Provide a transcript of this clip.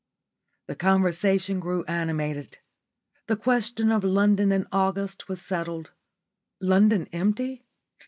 The conversation grew animated. The question of London in August was settled. London empty?